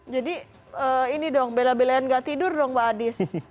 jadi ini dong bela belain nggak tidur dong mbak adis